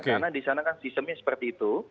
karena di sana kan sistemnya seperti itu